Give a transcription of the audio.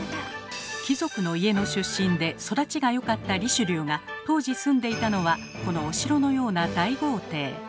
貴族の家の出身で育ちが良かったリシュリューが当時住んでいたのはこのお城のような大豪邸。